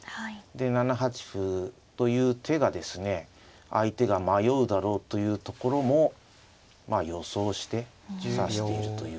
で７八歩という手がですね相手が迷うだろうというところも予想して指しているというところです。